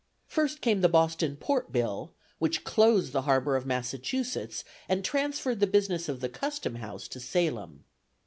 First came the Boston Port Bill, which closed the harbor of Massachusetts and transferred the business of the custom house to Salem.